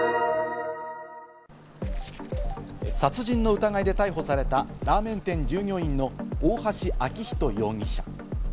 殺人の疑いで逮捕されたラーメン店従業員の大橋昭仁容疑者。